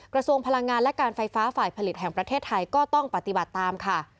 กระทรวงพลังงานและการไฟฟ้าฝ่ายผลิตแห่งประเทศไทยก็ต้องปฏิบัติตามค่ะ